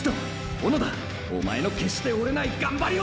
小野田おまえの決して折れないがんばりを！！